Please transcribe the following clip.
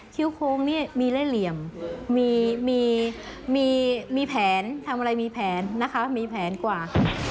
้วโค้งนี่มีเล่เหลี่ยมมีแผนทำอะไรมีแผนนะคะมีแผนกว่า